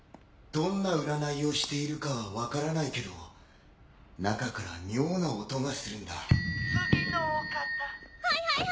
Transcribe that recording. どんな占いをしているかは分からないけど中から妙な音がするんだ。